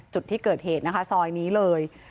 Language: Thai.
จุดที่เกิดเหตุนะคะซอยนี้เลย